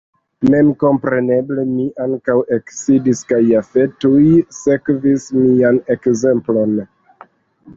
Memkompreneble mi ankaŭ eksidis kaj Jafet tuj sekvis mian ekzemplon.